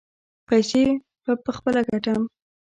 پیسې به پخپله ګټم.